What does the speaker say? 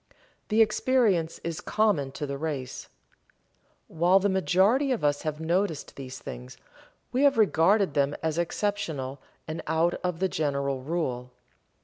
The experience is common to the race. While the majority of us have noticed these things, we have regarded them as exceptional and out of the general rule.